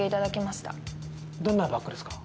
どんなバッグですか？